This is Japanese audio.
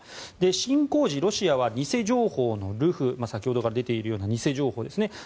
侵攻時、ロシアは偽情報の流布先ほどから出ているように偽情報ですね。